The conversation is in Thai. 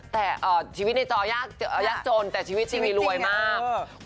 แต่ชีวิตในจอยากจนแต่ชีวิตจริงนี่รวยมาก